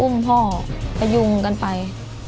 อุ้มพ่อก็ยุ่งกันไป